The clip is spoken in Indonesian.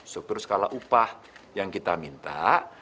struktur skala upah yang kita minta